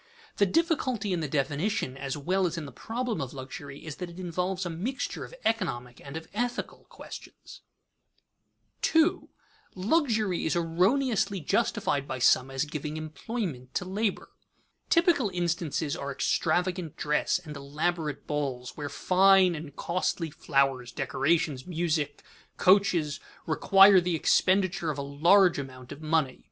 The difficulty in the definition as well as in the problem of luxury is that it involves a mixture of economic and of ethical questions. [Sidenote: Extravagance "to give employment"] 2. Luxury is erroneously justified by some as giving employment to labor. Typical instances are extravagant dress and elaborate balls where fine and costly flowers, decorations, music, coaches, require the expenditure of a large amount of money.